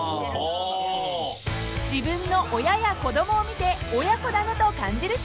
［自分の親や子供を見て親子だなと感じる瞬間］